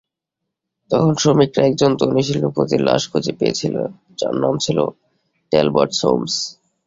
তখন শ্রমিকরা একজন ধনী শিল্পপতির লাশ খুঁজে পেয়েছিল, যার নাম ছিল ট্যালবট সোমস।